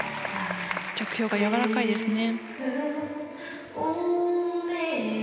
着氷がやわらかいですね。